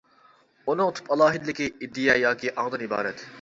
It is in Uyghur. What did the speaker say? ئۇنىڭ تۈپ ئالاھىدىلىكى ئىدىيە ياكى ئاڭدىن ئىبارەت.